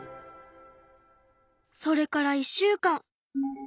それから１週間。